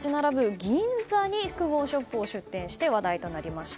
銀座に複合ショップを出店して話題となりました。